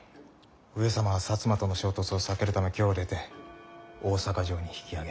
上様は摩との衝突を避けるため京を出て大坂城に引きあげた。